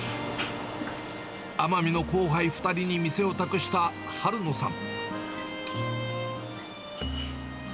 奄美の後輩２人に店を託した春野さん。